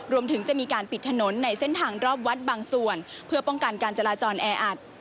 รวมถึงจะมีการปิดถนนในเส้นทางรอบวัดบางส่วนเพื่อป้องกันการจราจรแออัด